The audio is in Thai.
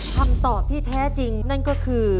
คำตอบที่แท้จริงนั่นก็คือ